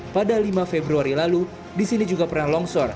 pada lima februari lalu disini juga pernah longsor